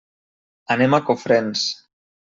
Anem a Cofrents.